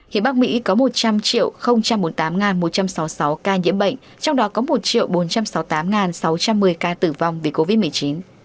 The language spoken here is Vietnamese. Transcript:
hiện bắc mỹ có một trăm linh bốn mươi tám một trăm sáu mươi sáu ca nhiễm bệnh trong đó có một bốn trăm sáu mươi tám sáu trăm một mươi ca tử vong vì covid một mươi chín